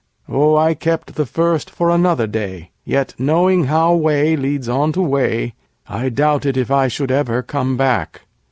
Oh, I kept the first for another day! Yet knowing how way leads on to way, I doubted if I should ever come back.